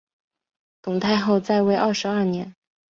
董太后在位二十二年。